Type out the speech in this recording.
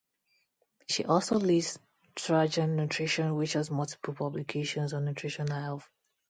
She also leads Trajan Nutrition which has multiple publications on nutritional health.